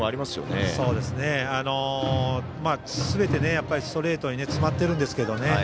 すべてストレートに集まってるんですけどね。